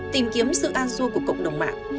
tìm kiếm sự an xua của cộng đồng mạng